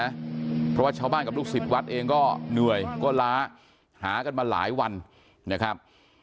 เพราะว่าชาวบ้านกับลูกศิษย์วัดเองก็เหนื่อยก็ล้าหากันมาหลายวันนะครับ